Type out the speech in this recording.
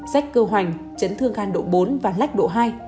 rách cơ hoành chấn thương can độ bốn và lách độ hai